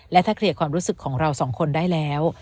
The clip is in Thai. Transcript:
และถ้าเคลียร์ความรู้สึกของเราสองคนได้แล้ว